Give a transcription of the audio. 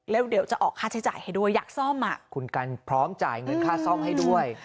แล้วเดี๋ยวจะออกค่าใช้จ่ายให้ด้วยอยากซ่อมอ่ะคุณกันพร้อมจ่ายเงินค่าซ่อมให้ด้วย